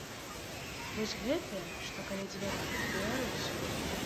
Вось гэтыя, што каля дзвярэй, беларусы.